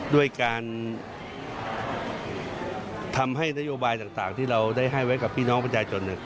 ด้วยการทำให้นโยบายต่างที่เราได้ให้ไว้กับพี่น้องประชาชน